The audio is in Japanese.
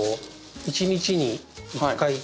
１日に１回。